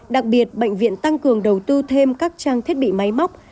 đặc biệt bệnh viện tăng cường đầu tư thêm các trang thiết bị máy móc